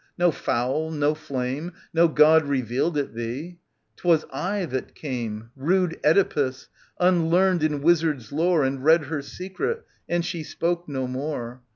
No fowl, no flame. No God revealed it thee. 'Twas I that came. Rude Oedipus, unlearned in wizard's lore, •( And read her secret, and she spoke no more.